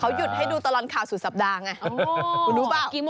หยุดให้ดูตลอดข่าวสุดสัปดาห์ไง